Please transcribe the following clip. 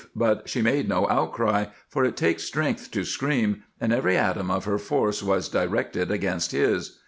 But she made no outcry, for it takes strength to scream, and every atom of her force was directed against his.